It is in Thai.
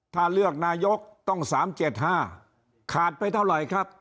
ถ้าเลือกนายกต้องสามเจ็ดห้าขาดไปเท่าไรครับ